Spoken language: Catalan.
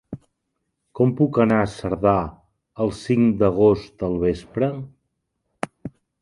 Com puc anar a Cerdà el cinc d'agost al vespre?